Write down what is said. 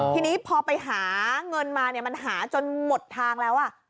ทีนี้พอไปหาเงินมาเนี่ยมันหาจนหมดทางแล้ว